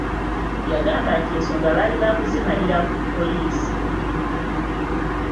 Yagamba nti ensonga baali baakuzimalira ku poliisi